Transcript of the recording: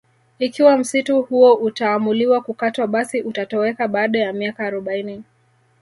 Ikiwa msitu huo utaamuliwa kukatwa basi utatoweka baada ya miaka arobaini